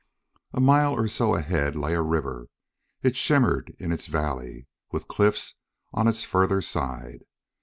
A mile or so ahead lay a river; it shimmered in its valley, with cliffs on its further side.